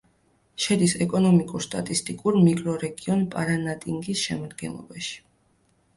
შედის ეკონომიკურ-სტატისტიკურ მიკრორეგიონ პარანატინგის შემადგენლობაში.